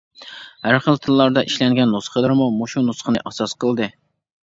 ھەر خىل تىللاردا ئىشلەنگەن نۇسخىلىرىمۇ مۇشۇ نۇسخىنى ئاساس قىلدى.